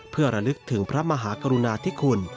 เพื่อระลึกถึงพระมหากรุณาธิคุณ